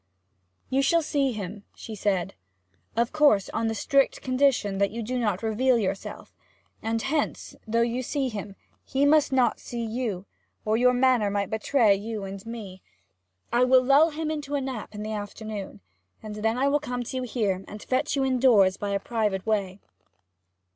'You shall see him,' she said, 'of course on the strict condition that you do not reveal yourself, and hence, though you see him, he must not see you, or your manner might betray you and me. I will lull him into a nap in the afternoon, and then I will come to you here, and fetch you indoors by a private way.'